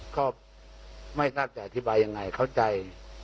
ก็ไม่ทราบจะอธิบายยังไงเข้าใจ